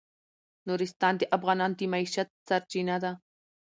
نورستان د افغانانو د معیشت سرچینه ده.